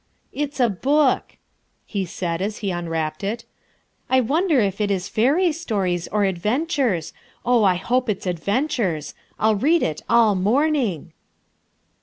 "It's a book," he said, as he unwrapped it. "I wonder if it is fairy stories or adventures. Oh, I hope it's adventures! I'll read it all morning."